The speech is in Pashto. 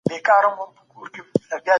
دا مسلک د انسان د فکر کولو طرز بدلوي.